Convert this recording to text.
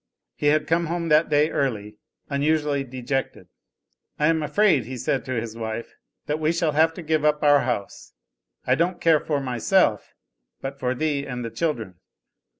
He had come home that day early, unusually dejected. "I am afraid," he said to his wife, "that we shall have to give up our house. I don't care for myself, but for thee and the children."